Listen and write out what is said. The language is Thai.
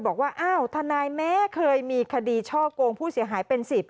บอกว่าอ้าวทนายแม้เคยมีคดีช่อกงผู้เสียหายเป็น๑๐